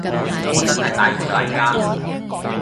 我真係大夫嚟㗎